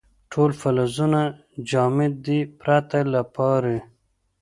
ټول فلزونه جامد دي پرته له پارې.